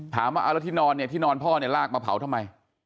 ถามว่าเอาแล้วที่นอนเนี่ยที่นอนพ่อเนี่ยลากมาเผาทำไม